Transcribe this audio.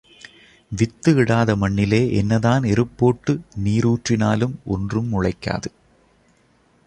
With இடாத மண்ணிலே என்னதான் எருப்போட்டு, நீர் ஊற்றினாலும் ஒன்றும் முளைக்காது.